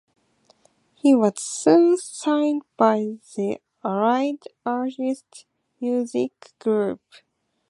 He was soon signed by the Allied Artists Music Group.